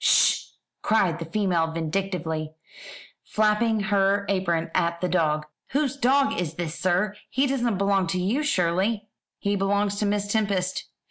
"Sh!" cried the female vindictively, flapping her apron at the dog, "whose dog is this, sir? He doesn't belong to you, surely?" "He belongs to Miss Tempest.